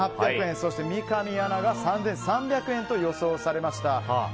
そして三上アナが３３００円と予想されました。